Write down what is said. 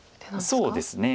そうですね。